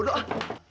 mau ke lab